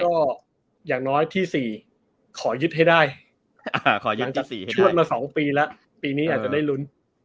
หรือไม่ก็อย่างน้อยที่๔ขอยึดให้ได้ชวดมา๒ปีแล้วปีนี้อาจจะได้ลุ้น